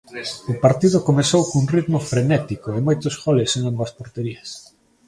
O partido comezou cun ritmo frenético e moitos goles en ambas porterías.